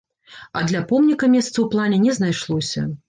А для помніка месца ў плане не знайшлося.